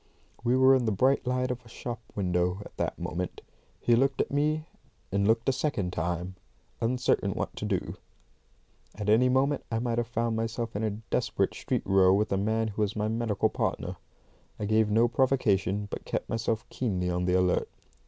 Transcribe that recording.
We were in the bright light of a shop window at that moment. He looked at me, and looked a second time, uncertain what to do. At any moment I might have found myself in a desperate street row with a man who was my medical partner. I gave no provocation, but kept myself keenly on the alert.